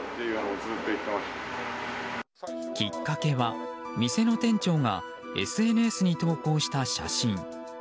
きっかけは店の店長がＳＮＳに投稿した写真。